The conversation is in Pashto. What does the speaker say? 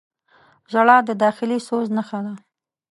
• ژړا د داخلي سوز نښه ده.